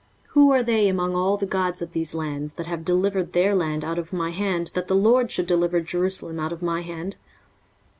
23:036:020 Who are they among all the gods of these lands, that have delivered their land out of my hand, that the LORD should deliver Jerusalem out of my hand?